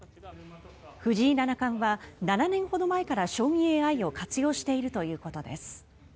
藤井七冠は７年ほど前から将棋ＡＩを活用しているということです。